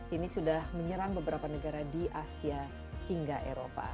ini sudah menyerang beberapa negara di asia hingga eropa